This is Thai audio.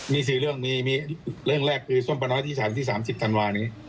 มี๔เรื่องมีเรื่องแรกคือส้มประน้อยที่๓ที่๓๐ธันวานี้